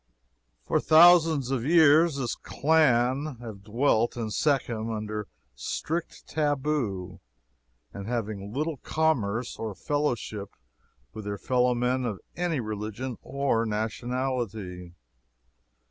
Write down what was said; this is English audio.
For thousands of years this clan have dwelt in Shechem under strict tabu, and having little commerce or fellowship with their fellow men of any religion or nationality.